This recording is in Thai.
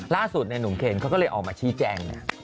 ล่าสุดหนุ่มเคนเขาก็เลยออกมาชี้แจงเนี่ย